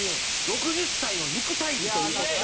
６０才の肉体美という事で。